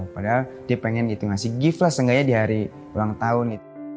padahal dia pengen ngasih hadiah lah seenggaknya di hari uang tahun